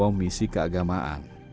ada yang membawa keagamaan